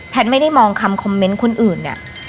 ไม่ได้มองคำคอมเมนต์คนอื่นเนี่ย